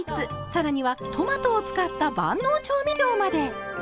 更にはトマトを使った万能調味料まで！